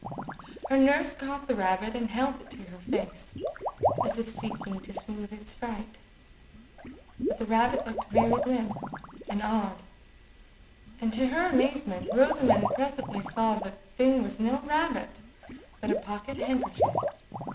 Her nurse caught the rabbit, and held it to her face, as if seeking to sooth its fright. But the rabbit looked very limp and odd, and, to her amazement, Rosamond presently saw that the thing was no rabbit, but a pocket handkerchief.